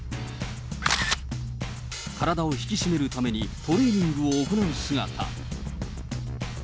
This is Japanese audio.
体を引き締めるためにトレーニングを行う姿。